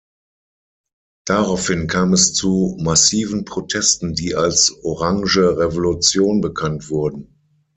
Daraufhin kam es zu massiven Protesten, die als Orange Revolution bekannt wurden.